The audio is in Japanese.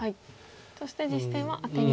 そして実戦はアテに。